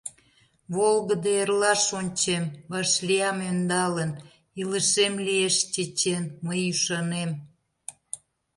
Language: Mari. Волгыдо эрлаш ончем, Вашлиям ӧндалын. Илышем лиеш чечен, Мый ӱшанем.